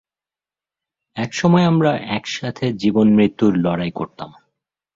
এক সময় আমরা একসাথে জীবন-মৃত্যুর লড়াই করতাম।